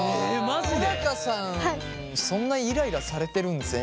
小高さんそんなイライラされてるんですね